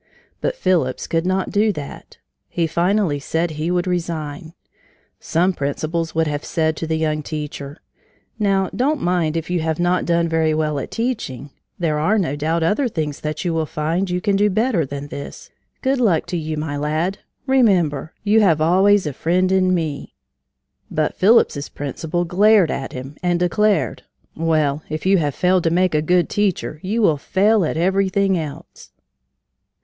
But Phillips could not do that. He finally said he would resign. Some principals would have said to the young teacher: "Now, don't mind it if you have not done very well at teaching; there are, no doubt, other things that you will find you can do better than this. Good luck to you my lad. Remember you have always a friend in me!" But Phillips's principal glared at him and declared: "Well, if you have failed to make a good teacher, you will fail in everything else."